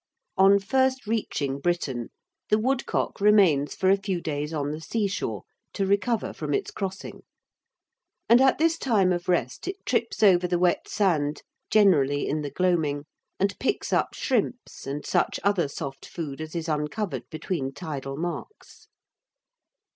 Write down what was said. On first reaching Britain, the woodcock remains for a few days on the seashore to recover from its crossing, and at this time of rest it trips over the wet sand, generally in the gloaming, and picks up shrimps and such other soft food as is uncovered between tidal marks.